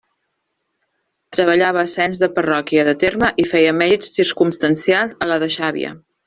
Treballava ascens de parròquia de terme i feia mèrits circumstancials a la de Xàbia.